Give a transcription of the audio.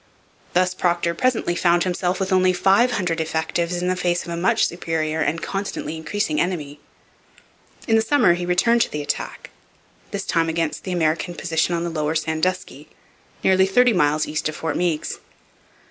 Thus Procter presently found himself with only five hundred effectives in face of a much superior and constantly increasing enemy. In the summer he returned to the attack, this time against the American position on the lower Sandusky, nearly thirty miles east of Fort Meigs.